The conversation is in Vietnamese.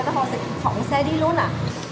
và họ sẽ phỏng xe đi luôn ạ